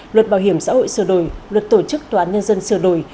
luật bảo hiểm xã hội sửa đổi luật tổ chức tòa án nhân dân sửa đổi